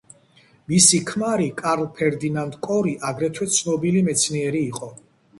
მისი ქმარი, კარლ ფერდინანდ კორი, აგრეთვე ცნობილი მეცნიერი იყო.